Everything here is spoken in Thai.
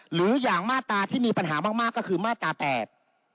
หรืออย่างมาตราที่มีปัญหามากมากก็คือมาตราแปด